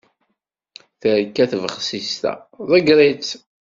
Terka tbexsist-a. Ḍegger-itt.